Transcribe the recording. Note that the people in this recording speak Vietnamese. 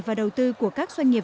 và đầu tư của các doanh nghiệp